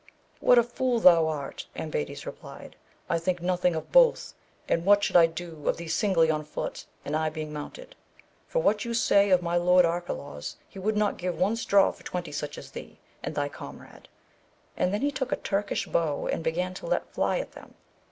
What a fool thou art, Ambades replied, I think nothing of both, and what should I do of thee singly on foot and I being mounted ? for what you say of my lord Arca laus, he would not give one straw for twenty such as thee and thy comrade, and then he took a Turkish bow and began to let fly at them.